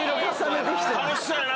楽しそうやな。